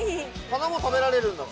花も食べられるんだ？